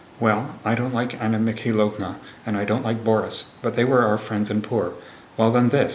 Well, I don't like Anna Mikháylovna and I don't like Borís, but they were our friends and poor. Well then, this!"